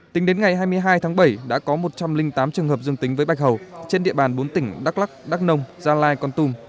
tính đến ngày hai mươi hai tháng bảy đã có một trăm linh tám trường hợp dương tính với bạch hầu trên địa bàn bốn tỉnh đắk lắc đắk nông gia lai con tum